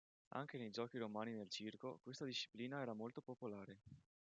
Anche nei giochi romani nel circo, questa disciplina era molto popolare.